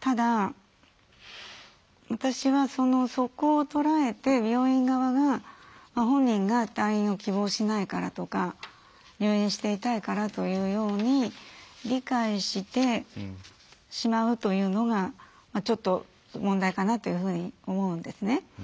ただ、私はそこを捉えて病院側が本人が退院を希望しないからとか入院していたいからというふうに理解してしまうというのがちょっと問題かなというふうに思うんですね。